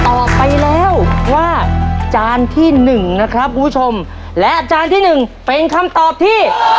ออกไปแล้วว่าจานที่หนึ่งนะครับคุณผู้ชมและจานที่หนึ่งเป็นคำตอบที่